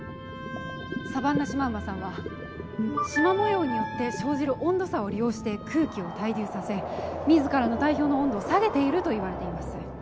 サバンナシマウマさんはシマ模様によって生じる温度差を利用して空気を対流させ自らの体表の温度を下げているといわれています。